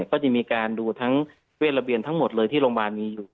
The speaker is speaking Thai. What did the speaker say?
ก็จะมีการดูทั้งเวทระเบียนทั้งหมดเลยที่โรงพยาบาลมีอยู่